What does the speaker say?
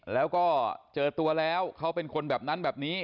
แล้วก็เจอตัวแล้วเขาเป็นคนแบบนั้นแบบนี้